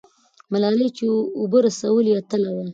ملالۍ چې اوبه رسولې، اتله وه.